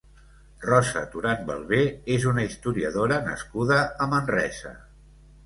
Rosa Toran Belver és una historiadora nascuda a Manresa.